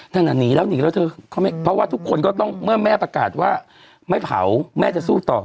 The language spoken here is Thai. นั่นน่ะหนีแล้วหนีแล้วเธอเพราะว่าทุกคนก็ต้องเมื่อแม่ประกาศว่าไม่เผาแม่จะสู้ต่อ